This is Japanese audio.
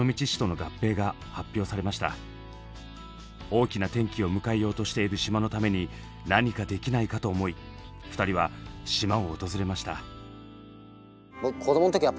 大きな転機を迎えようとしている島のために何かできないかと思い２人は島を訪れました。